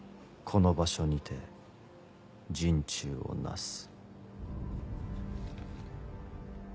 「この場所にて人誅を成す」。